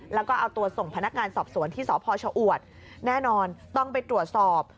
แล้วก็เอาตัวส่งพนักงานสอบสวนที่สพชอวดแน่นอนต้องไปตรวจสอบ